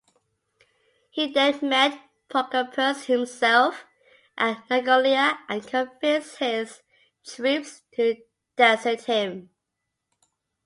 He then met Procopius himself at Nacoleia and convinced his troops to desert him.